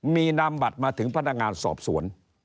มีนามบัตรมาถึงพนักงานสอบสวน